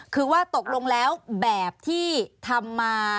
คือว่าตกลงแล้วแบบที่ทำมา